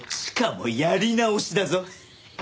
しかもやり直しだぞ。